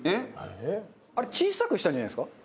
えっ？小さくしたんじゃないですか？